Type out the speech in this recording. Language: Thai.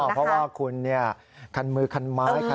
เพราะว่าคุณคันมือคันไม้คัน